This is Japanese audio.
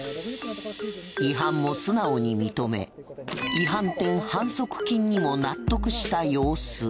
違反も素直に認め違反点・反則金にも納得した様子。